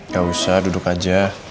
gak usah duduk aja